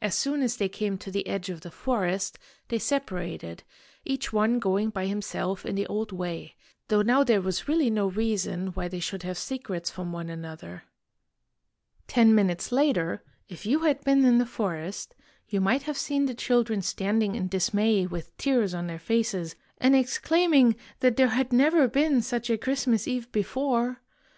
As soon as they came to the edge of the forest, they separated, each one going by himself in the old way, though now there was really no reason why they should have secrets from one another. 144 Grandfather Christmas was never so good to us before Page 145 IN THE GREAT WALLED COUNTRY Ten minutes later, if you had been in the forest, you might have seen the children standing in dismay with tears on their faces, and exclaiming that there had never been such a Christmas Eve before.